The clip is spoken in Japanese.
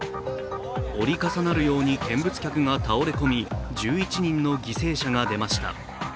折り重なるように見物客が倒れ込み、１１人の犠牲者が出ました。